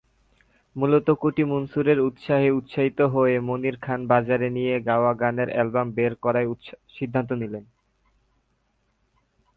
মূলত কুটি মনসুরের উৎসাহে উৎসাহিত হয়ে মনির খান বাজারে নিজের গাওয়া গানের অ্যালবাম বের করার সিদ্ধান্ত নিলেন।